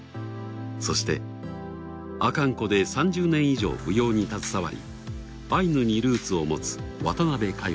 そして阿寒湖で３０年以上舞踊に携わりアイヌにルーツを持つ渡辺かよ